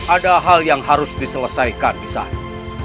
ada hal yang harus diselesaikan di sana